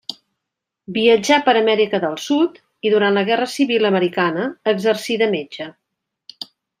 Viatjà per Amèrica del Sud i durant la guerra civil americana exercí de metge.